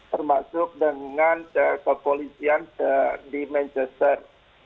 termasuk dengan kepolisian di manchester